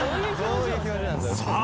さあ